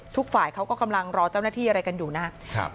ทุกฝ่ายเขาก็กำลังรอเจ้าหน้าที่อะไรกันอยู่นะครับ